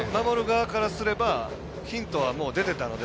守る側からすればヒットは出てたので。